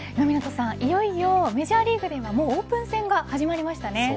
いよいよメジャーリーグでもオープン戦が始まりましたね。